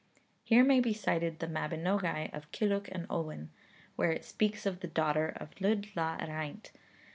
Here may be cited the Mabinogi of Kilhwch and Olwen, where it speaks of the daughter of Lludd Llaw Ereint.